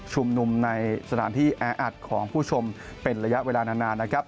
ชุมนุมในสถานที่แออัดของผู้ชมเป็นระยะเวลานาน